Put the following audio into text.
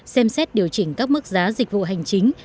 xem xét điều chỉnh các mức giá dịch vụ hành chính